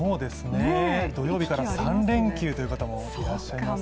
土曜日から３連休という方もいらっしゃいますからね。